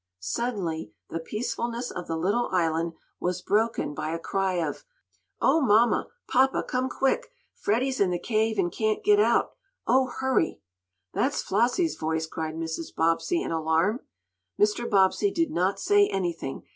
Suddenly the peacefulness of the little island was broken by a cry of: "Oh, Mamma! Papa! Come quick! Freddie's in the cave, and can't get out. Oh, hurry!" "That's Flossie's voice!" cried Mrs. Bobbsey, in alarm. Mr. Bobbsey did not say anything.